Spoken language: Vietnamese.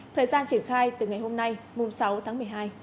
thời gian triển khai từ ngày hôm nay sáu tháng một mươi hai